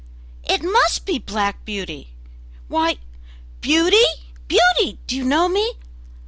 It must be 'Black Beauty'! Why, Beauty! Beauty! do you know me?